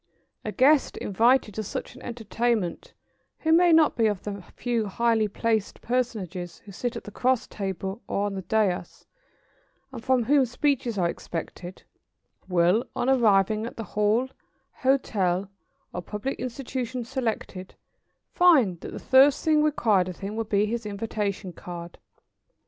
] A guest invited to such an entertainment who may not be of the few highly placed personages who sit at the cross table or on the daïs, and from whom speeches are expected, will, on arriving at the hall, hotel, or public institution selected, find that the first thing required of him will be his invitation card.